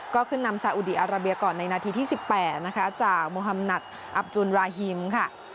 ก็ขึ้นนำซาอุดีอาราเบียก่อนในนาทีที่๑๘นะคะจากโมฮัมนัดอับจุนราฮิมค่ะ